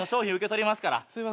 すいません。